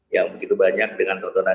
yang begitu banyak dengan tontonan